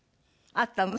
あったの？